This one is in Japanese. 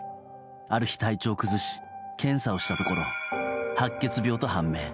ある日、体調を崩し検査をしたところ白血病と判明。